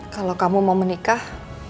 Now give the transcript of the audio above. kalau kamu mau menikah